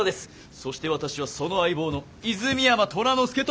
そして私はその相棒の泉山虎之介と申す者。